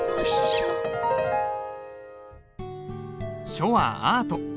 書はアート。